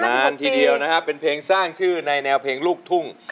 นานทีเดียวนะครับเป็นเพลงสร้างชื่อในแนวเพลงลูกทุ่ง